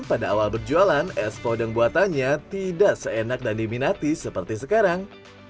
pada awal berjualan es podeng buatannya tidak seenak dan diminati seperti sekarang